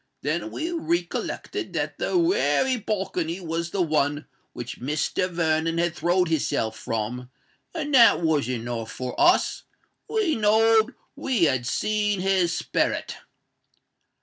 Then we recollected that that wery balcony was the one which Mr. Vernon had throwed his self from; and that was enow for us. We knowed we had seen his sperret!"